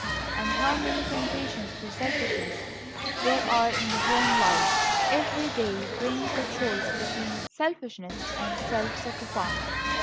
And how many temptations to selfishness there are in the home life! Every day brings the choice between selfishness and self sacrifice.